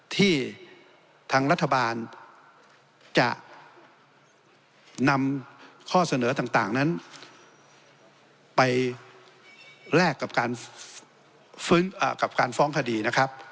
ที่ทางรัฐบาลจะนำข้อเสนอต่างนั้นไปแลกกับการฟื้นกับการฟ้องคดีนะครับ